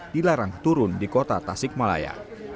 dilarang turun di kota tasikmalaya